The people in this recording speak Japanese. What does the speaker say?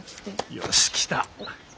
よし来た。